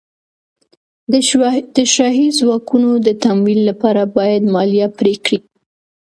د شاهي ځواکونو د تمویل لپاره باید مالیه پرې کړي.